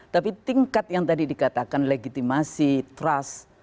tapi tingkat yang tadi dikatakan legitimasi trust